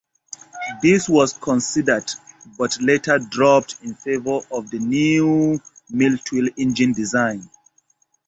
This was considered but later dropped in favor of the new Mil twin-engine design.